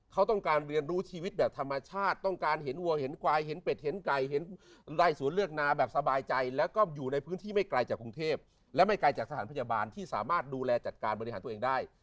เขาต้องการเรียนรู้ชีวิตแบบธรรมชาติต้องการเห็นวัวเห็นควายเห็นเป็ดเห็นไก่เห็นไล่สวนเลือกนาแบบสบายใจแล้วก็อยู่ในพื้นที่ไม่ไกลจากกรุงเทพและไม่ไกลจากสถานพยาบาลที่สามารถดูแลจัดการบริหารตัวเองได้